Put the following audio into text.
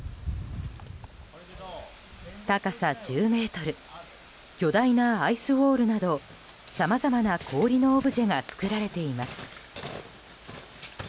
高さ１０ｍ巨大なアイスウォールなどさまざまな氷のオブジェが作られています。